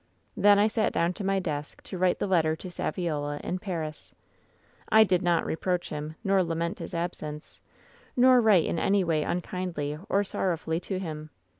"Then I sat down to my desk to write the letter to Saviola in Paris. "I did not reproach him, nor lament his absence, nor write in any way unkindly or sorrowfully to him.